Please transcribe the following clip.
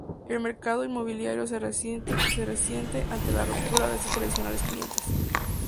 El mercado inmobiliario se resiente ante la ruptura de estos tradicionales clientes.